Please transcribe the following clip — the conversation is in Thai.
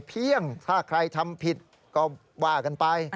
เพียงถ้าใครทำผิดก็ว่ากันไป